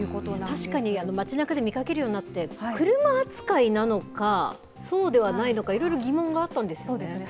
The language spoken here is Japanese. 確かに街なかで見かけるようになって、車扱いなのか、そうではないのか、いろいろ疑問があったんですよね。